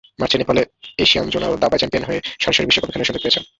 মার্চে নেপালে Asian zonal দাবায় চ্যাম্পিয়ন হয়ে সরাসরি বিশ্বকাপে খেলার সুযোগ পেয়েছেন।